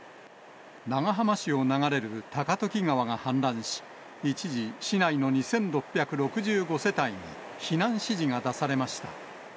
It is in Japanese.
長浜市を流れる高時川が氾濫し、一時、市内の２６６５世帯に避難指示が出されました。